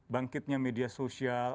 bangkitnya media sosial